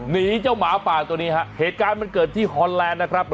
หนีเจ้าหมาป่าตัวนี้ฮะเหตุการณ์มันเกิดที่ฮอนแลนด์นะครับ